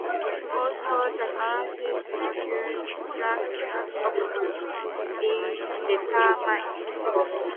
Also, the Galois module structure of has been determined.